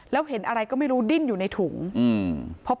แล้วเห็นอะไรก็ไม่รู้ดิ้นอยู่ในถุงอืม